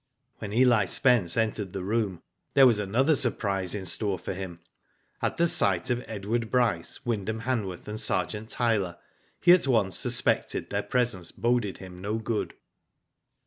When Eli Spence entered the room, there was another surprise in store for him. At the sight of Edward Bryce, Wyndham Han worth, and Sergeant Tyler, he at once suspected their presence boded him no good.